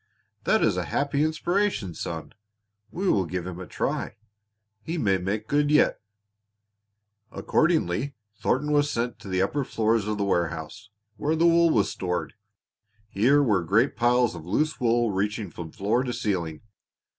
That is a happy inspiration, son. We will give him a try. He may make good yet." Accordingly Thornton was sent to the upper floors of the warehouse, where the wool was stored. Here were great piles of loose wool reaching from floor to ceiling.